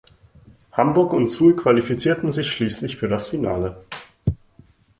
Hamburg und Suhl qualifizierten sich schließlich für das Finale.